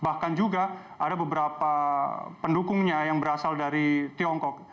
bahkan juga ada beberapa pendukungnya yang berasal dari tiongkok